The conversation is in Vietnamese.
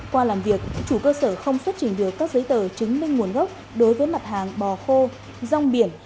qua làm việc chủ cơ sở không xuất trình được các giấy tờ chứng minh nguồn gốc đối với mặt hàng bò khô rong biển